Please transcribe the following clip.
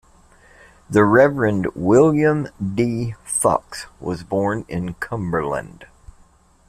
The Reverend William D. Fox was born in Cumberland.